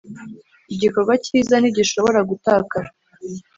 igikorwa cyiza ntigishobora gutakara.